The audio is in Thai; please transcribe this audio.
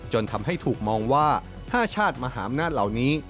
จนทำให้ถูกมองว่า๕ชาติมหาอำนาจเหล่านี้